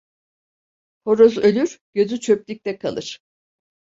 Horoz ölür, gözü çöplükte kalır.